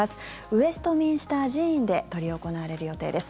ウェストミンスター寺院で執り行われる予定です。